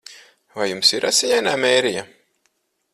Vai jums ir Asiņainā Mērija?